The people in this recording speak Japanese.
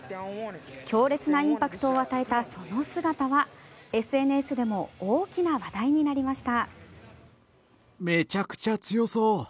強烈なインパクトを与えたその姿はＳＮＳでも大きな話題になりました。